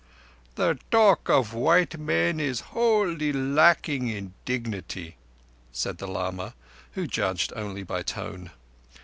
"The talk of white men is wholly lacking in dignity," said the lama, who judged only by tone.